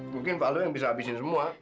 mungkin falu yang bisa habisin semua